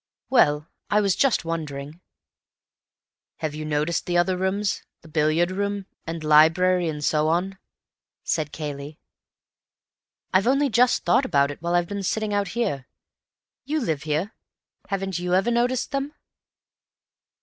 "Well, I was just wondering." "Have you noticed the other rooms—the billiard room, and library, and so on?" said Cayley. "I've only just thought about it while I've been sitting out here. You live here—haven't you ever noticed them?"